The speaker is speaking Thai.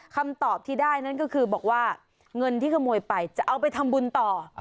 คำตอบที่ได้นั่นก็คือบอกว่าเงินที่ขโมยไปจะเอาไปทำบุญต่อ